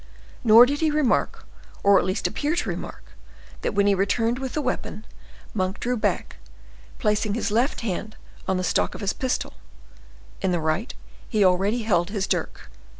Nor did he remark, or at least appear to remark, that when he returned with the weapon, Monk drew back, placing his left hand on the stock of his pistol; in the right he already held his dirk.